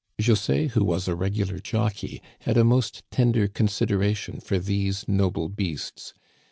" José, who was a regular jockey, had a most tender consideration for these noble beasts.